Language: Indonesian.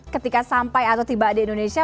ketika sampai atau tiba di indonesia